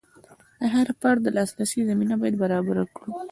د هر فرد د لاسرسي زمینه باید برابره کړو.